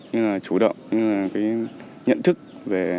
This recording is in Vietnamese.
nhưng là chủ động nhưng là cái nhận thức về